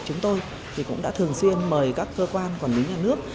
chúng tôi cũng đã thường xuyên mời các cơ quan quản lý nhà nước